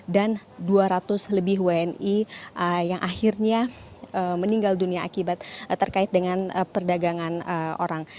dan dua ratus lebih wni yang akhirnya meninggal dunia akibat terkait dengan perdagangan orang